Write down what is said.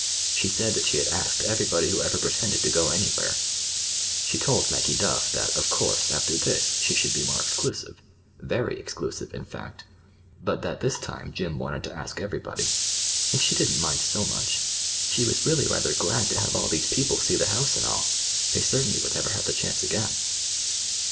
She said that she had asked everybody who ever pretended to go anywhere. She told Maggie Duff that, of course, after this, she should be more exclusive—very exclusive, in fact; but that this time Jim wanted to ask everybody, and she didn't mind so much—she was really rather glad to have all these people see the house, and all—they certainly never would have the chance again.